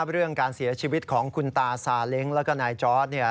เรื่องการเสียชีวิตของคุณตาซาเล้งแล้วก็นายจอร์ด